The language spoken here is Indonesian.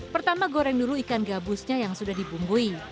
pertama goreng dulu ikan gabusnya yang sudah dibumbui